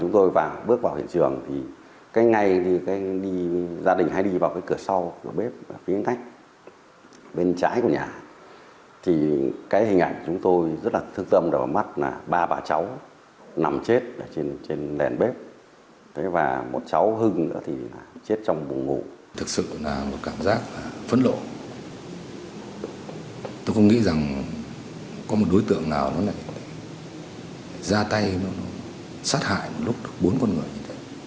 tôi không nghĩ rằng có một đối tượng nào ra tay sát hại một lúc bốn con người như thế